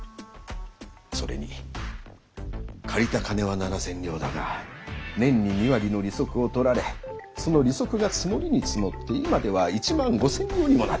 それに借りた金は七千両だが年に二割の利息を取られその利息が積もりに積もって今では一万五千両にもなっておる。